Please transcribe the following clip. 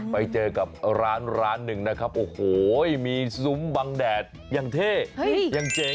ไปเจอกับร้านหนึ่งนะครับโอ้โหมีสุมบังแดดอย่างเท่อย่างเจ๋ง